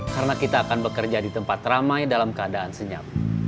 karena kita akan bekerja di tempat ramai dalam keadaan senyap